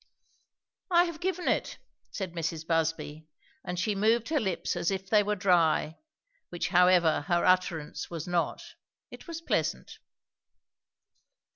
"I have given it," said Mrs. Busby; and she moved her lips as if they were dry, which however her utterance was not. It was pleasant.